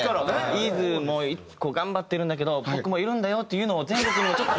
いーずも頑張ってるんだけど僕もいるんだよっていうのを全国にもちょっと。